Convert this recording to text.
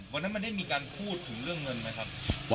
วันนั้นมันได้มีการพูดถึงเรื่องเงินไหมครับ